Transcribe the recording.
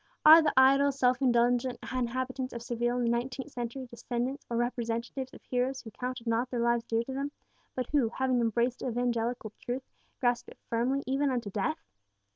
Are the idle, self indulgent inhabitants of Seville in the nineteenth century descendants or representatives of heroes who counted not their lives dear to them, but who, having embraced evangelical truth, grasped it firmly even unto death?